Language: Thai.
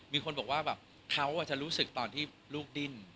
มีคนบอกว่าแบบเขาจะรู้สึกตอนที่ลูกดิ้น